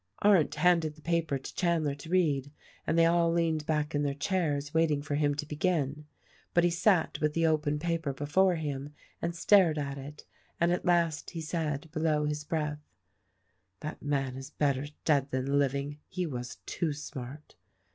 Arndt handed the paper to Chandler to read, and they all leaned back in their chairs waiting for him to begin. But he sat with the open paper before him and stared at it, and at last he said — below his breath, — "That man is better dead than living; he was too smart."